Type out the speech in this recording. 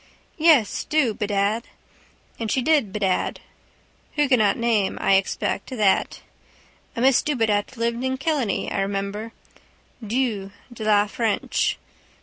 Yes, do bedad. And she did bedad. Huguenot name I expect that. A miss Dubedat lived in Killiney, I remember. Du de la is French.